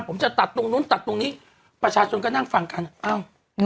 ผมจะตัดตรงนู้นตัดตรงนี้ประชาชนก็นั่งฟังกันอ้าว